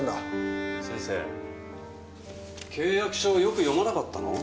先生契約書よく読まなかったの？